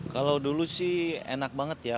kalau dulu sih enak banget ya